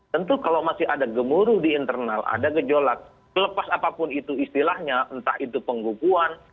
tentu kalau masih ada gemuruh di internal ada gejolak selepas apapun itu istilahnya entah itu penggukuan